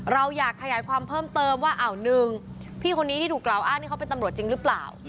เราอยากขยายความเพิ่มเติมว่าอ้าวหนึ่งพี่คนนี้ที่ถูกกล่าวอ้างนี่เขาเป็นตำรวจจริงหรือเปล่า